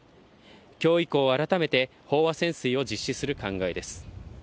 きょう以降、改めて飽和潜水を実施する考えです。